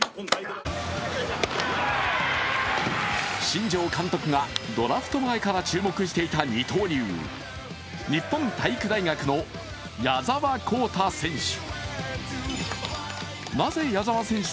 新庄監督がドラフト前から注目していた二刀流、日本体育大学の矢澤宏太選手。